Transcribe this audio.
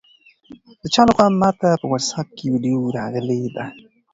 د چا لخوا ماته په واټساپ کې ویډیو راغلې ده؟